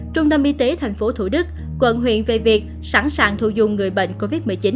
trung tâm y tế tp thủ đức quận huyện về việc sẵn sàng thu dung người bệnh covid một mươi chín